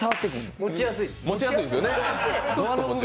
持ちやすい。